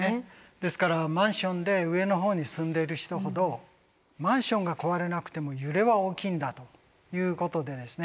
ですからマンションで上の方に住んでいる人ほどマンションが壊れなくても揺れは大きいんだということでですね